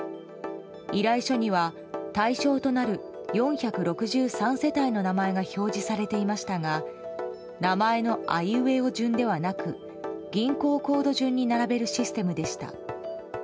依頼書には対象となる４６３世帯の名前が表示されていましたが名前のあいうえお順ではなく銀行コード順に並べるシステムでした。